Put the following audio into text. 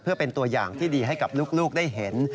เพื่อเป็นตัวอย่างที่ดีให้กับลูกได้เห็น